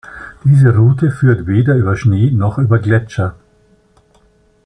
Diese Route führt weder über Schnee noch über Gletscher.